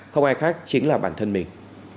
không ai khác chính là bản thân mình